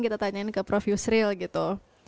kita tanyain ke prof yusril gitu